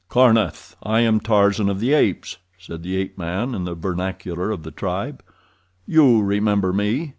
"Karnath, I am Tarzan of the Apes," said the ape man in the vernacular of the tribe. "You remember me.